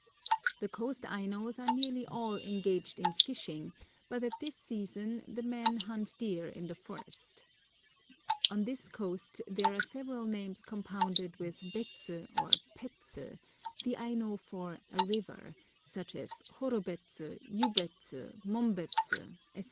The coast Ainos are nearly all engaged in fishing, but at this season the men hunt deer in the forests. On this coast there are several names compounded with bets or pets, the Aino for a river, such as Horobets, Yubets, Mombets, etc.